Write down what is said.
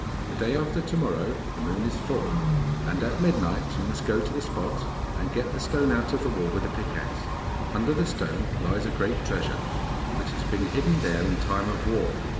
The day after to morrow the moon is full, and at midnight you must go to the spot and get the stone out of the wall with a pickaxe. Under the stone lies a great treasure, which has been hidden there in time of war.